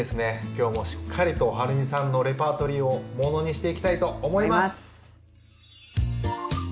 今日もしっかりとはるみさんのレパートリーをものにしていきたいと思います。